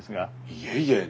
いえいえ。